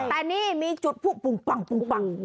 แต่นี่มีจุดปุ่งปังปุ่งปัง